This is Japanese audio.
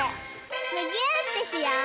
むぎゅーってしよう！